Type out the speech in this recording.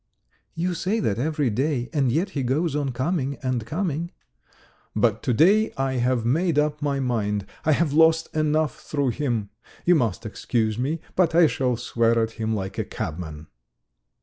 "You say that every day, and yet he goes on coming and coming." "But to day I have made up my mind. I have lost enough through him. You must excuse me, but I shall swear at him like a cabman."